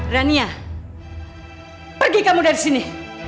rania pergi kamu dari sini